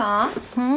うん？